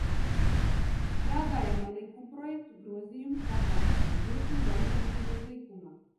"Strādājam ar likumprojektu "Grozījums Patērētāju tiesību aizsardzības likumā"."